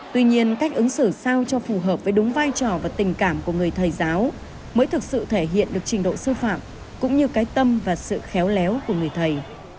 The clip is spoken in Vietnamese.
tuy nhiên cách ứng xử sao cho phù hợp với đúng vai trò và tình cảm của người thầy giáo mới thực sự thể hiện được trình độ sư phạm cũng như cái tâm và sự khéo léo của người thầy